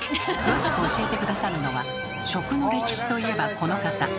詳しく教えて下さるのは食の歴史といえばこの方。